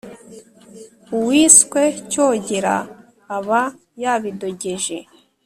Uwiswe cyogera aba yabidogeje